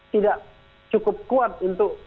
tidak cukup kuat untuk